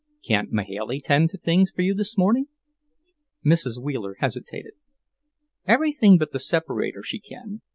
"Can't Mahailey tend to things for you this morning?" Mrs. Wheeler hesitated. "Everything but the separator, she can.